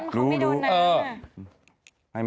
ธรรมได้ไหม